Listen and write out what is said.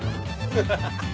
ハハハハッ！